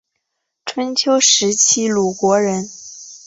春秋时期鲁国人。